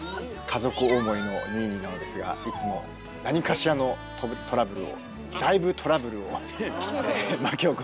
家族思いのニーニーなのですがいつも何かしらのトラブルをだいぶトラブルを巻き起こしています。